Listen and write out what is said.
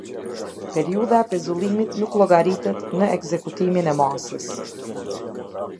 Periudha e pezullimit nuk llogaritet në ekzekutimin e masës.